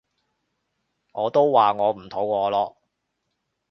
我都話我唔肚餓咯